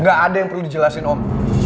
gak ada yang perlu dijelasin om